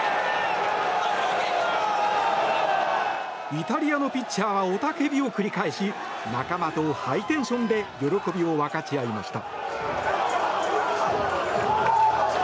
イタリアのピッチャーは雄叫びを繰り返し仲間とハイテンションで喜びを分かち合いました。